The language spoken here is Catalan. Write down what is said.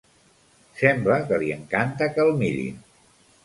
Sembla que li encanta que el mirin.